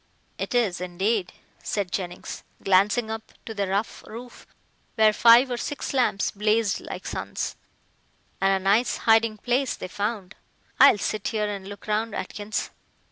"It is, indeed," said Jennings, glancing up to the rough roof where five or six lamps blazed like suns, "and a nice hiding place they found. I'll sit here and look round, Atkins."